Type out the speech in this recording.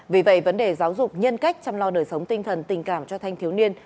vì vậy vấn đề giáo dục nhân cách chăm lo đời sống tinh thần tình cảm cho thanh thiếu niên